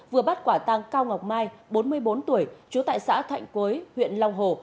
vừa bắt quả tang cao ngọc mai bốn mươi bốn tuổi chú tại xã thạnh quế huyện long hồ